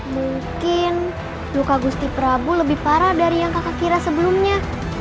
mungkin luka gusti prabu lebih parah dari yang kakak kira sebelumnya